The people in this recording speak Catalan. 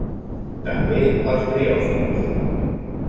També els briòfits.